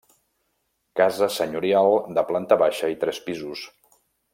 Casa senyorial de planta baixa i tres pisos.